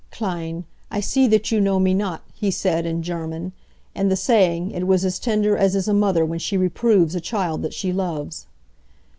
"Kleine, I see that you know me not," he said, in German, and the saying it was as tender as is a mother when she reproves a child that she loves.